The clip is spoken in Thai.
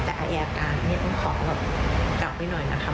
แต่อายการต้องขอแบบกลับไปหน่อยนะคะ